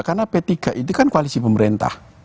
karena p tiga itu kan koalisi pemerintah